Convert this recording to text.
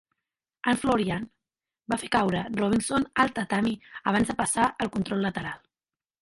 En Florian va fer caure Robinson al tatami abans de passar al control lateral.